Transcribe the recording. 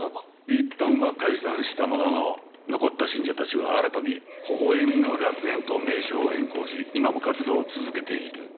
いったんは解散したものの残った信者たちは新たに微笑みの楽園と名称を変更し今も活動を続けている。